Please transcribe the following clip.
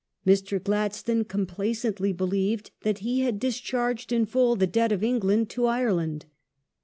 Mr. Gladstone complacently believed that he had discharged in full the debt of England to Ireland.